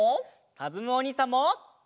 かずむおにいさんも！